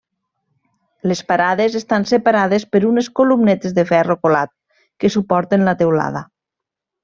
Les parades estan separades per unes columnetes de ferro colat que suporten la teulada.